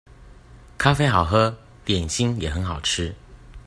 咖啡好喝，點心也很好吃